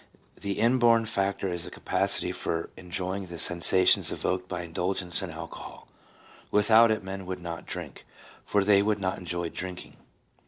The in born factor is a capacity for enjoying the sensations evoked by indul gence in alcohol. Without it men would not drink, for they would not enjoy drinking.